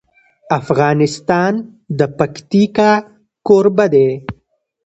افغانستان د پکتیکا کوربه دی.